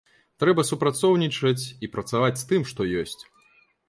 Трэба супрацоўнічаць і працаваць з тым, што ёсць.